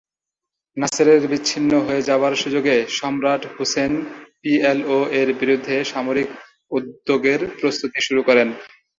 নাসেরের বিচ্ছিন্ন হয়ে যাবার সুযোগে সম্রাট হুসেন পিএলও এর বিরুদ্ধে সামরিক উদ্যোগের প্রস্তুতি শুরু করেন।